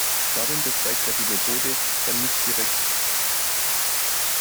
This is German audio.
Darin beschreibt er die Methode der nicht-direktiven Beratung.